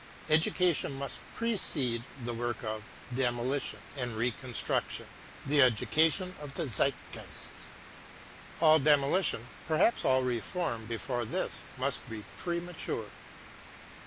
Education must precede the work of demoli tion and reconstruction — the education of the Zeitgeist. All demolition, perhaps all reform, before this must be premature.